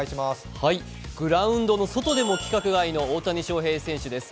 グラウンドの外でも規格外の大谷翔平選手です。